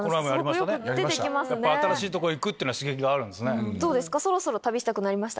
新しいとこ行くっていうのは刺激があるんですね。